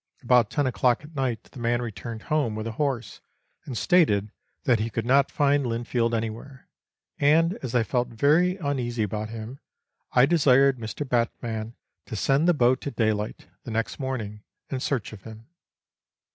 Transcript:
About ten o'clock at night the man returned home with the horse, and stated that he could not find Linfield anywhere, and as I felt very uneasy about him, I desired Mr. Batman to send the boat at daylight the next morning in search of him.